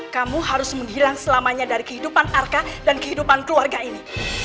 kamu harus menghilang selamanya dari kehidupan arka dan kehidupan keluarga ini